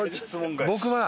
僕は。